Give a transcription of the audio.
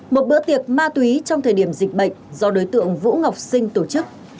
một bữa tiệc ma túy trong thời điểm dịch bệnh do đối tượng vũ ngọc sinh tổ chức